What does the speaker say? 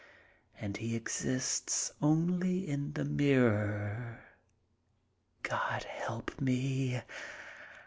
And he exists only in the mirror. God help me!